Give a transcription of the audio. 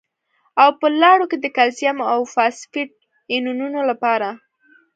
او په لاړو کې د کلسیم او فاسفیټ ایونونو لپاره